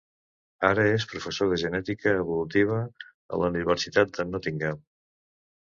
Ara és professor de genètica evolutiva a la Universitat de Nottingham.